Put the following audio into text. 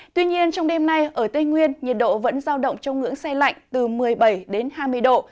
tuy nhiên trong đêm nay ở tây nguyên nhiệt độ vẫn giao động trong ngưỡng xe lạnh từ một mươi bảy đến hai mươi độ